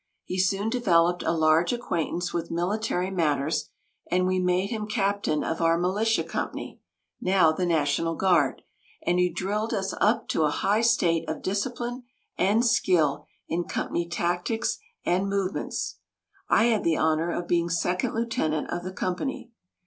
He soon developed a large acquaintance with military matters, and we made him captain of our militia company (now the national guard), and he drilled us up to a high state of discipline and skill in company tactics and movements. I had the honor of being second lieutenant of the company.